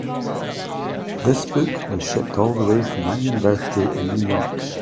This book was shipped all the way from my university in New York.